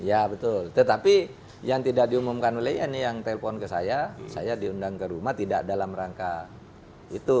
ya betul tetapi yang tidak diumumkan oleh ya ini yang telpon ke saya saya diundang ke rumah tidak dalam rangka itu